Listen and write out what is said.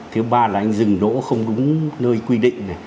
thứ ba là anh dừng đỗ không đúng nơi quy định này